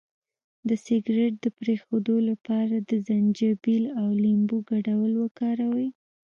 د سګرټ د پرېښودو لپاره د زنجبیل او لیمو ګډول وکاروئ